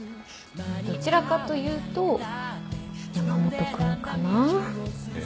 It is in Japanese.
どちらかというと山本君かな？へ。